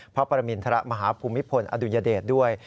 พระปรมินทรมาฮภูมิพลอดุญเดชด้วย